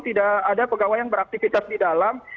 tidak ada pegawai yang beraktivitas di dalam